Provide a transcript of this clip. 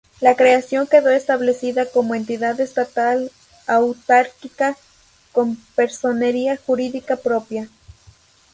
La creación quedó establecida como entidad estatal autárquica con personería jurídica propia.